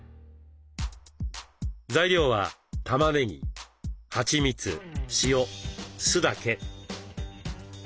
材料はたまねぎはちみつ塩酢だけ。